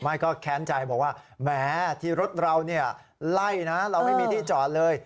ไม่ก็แค้นใจบอกว่าแหมที่รถเราไล่นะเราไม่มีที่จอดเลย